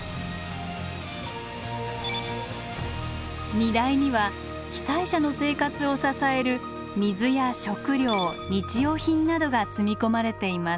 荷台には被災者の生活を支える水や食料日用品などが積み込まれています。